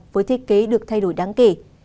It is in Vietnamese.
với thiết kế được thay đổi đáng kể